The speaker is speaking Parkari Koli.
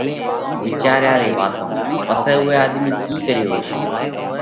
وِيچاريا ري واتون پسئہ اُوئہ آۮمِي ڪِي ڪريو هوشي